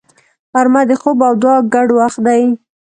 غرمه د خوب او دعا ګډ وخت دی